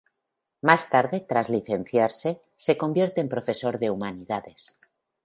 Más tarde, tras licenciarse, se convierte en profesor de Humanidades.